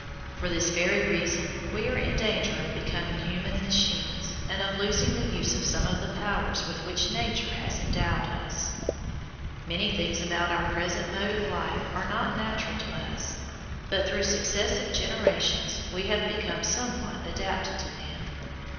For this very reason we are in danger of becoming human machines and of losing the use of some of the powers with which Nature has endowed us. Many things about our present mode of life are not natural to us, but through successive generations we have become somewhat adapted to them.